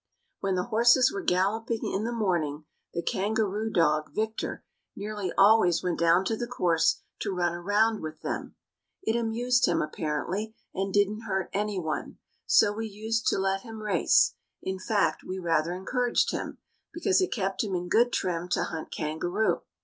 When the horses were galloping in the morning the kangaroo dog, Victor, nearly always went down to the course to run round with them. It amused him, apparently, and didn't hurt anyone, so we used to let him race; in fact, we rather encouraged him, because it kept him in good trim to hunt kangaroo.